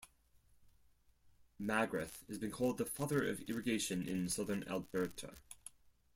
Magrath has been called "The Father of Irrigation in Southern Alberta".